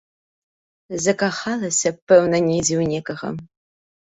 Закахалася, пэўна, недзе ў некага.